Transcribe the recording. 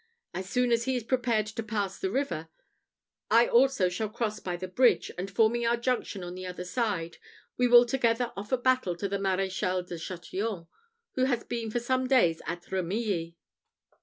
As soon as he is prepared to pass the river, I also shall cross by the bridge, and forming our junction on the other side, we will together offer battle to the Maréchal de Chatillon, who has been for some days at Remilly."